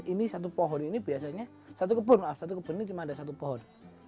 ini satu pohon ini biasanya satu kebun maaf satu kebun ini cuma ada satu pohon